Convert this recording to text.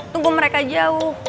tunggu mereka jauh